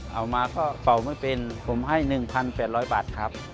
เอามาก็เป่าไม่เป็นผมให้๑๘๐๐บาทครับ